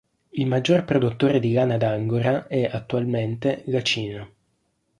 Il maggior produttore di lana d'angora è, attualmente, la Cina.